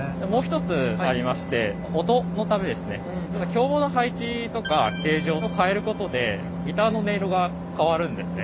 響棒の配置とか形状を変えることでギターの音色が変わるんですね。